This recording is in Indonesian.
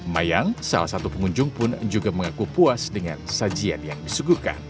mayang salah satu pengunjung pun juga mengaku puas dengan sajian yang disuguhkan